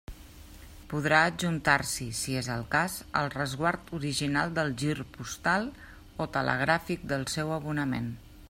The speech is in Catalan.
Podrà adjuntar-s'hi, si és el cas, el resguard original del gir postal, o telegràfic del seu abonament.